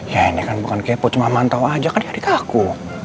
ya ini kan bukan kepo cuma mantau aja kan ya adik aku